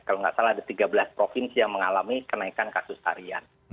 kalau nggak salah ada tiga belas provinsi yang mengalami kenaikan kasus harian